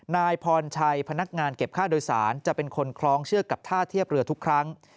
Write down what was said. นายพรชัยพนักงานเก็บค่าโดยสารจะเป็นคนคล้องเชือกกับท่าเทียบเรือทุกครั้ง